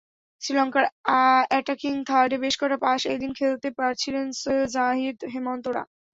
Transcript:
শ্রীলঙ্কার অ্যাটাকিং থার্ডে বেশ কটা পাস এদিন খেলতে পারছিলেন সোহেল, জাহিদ, হেমন্তরা।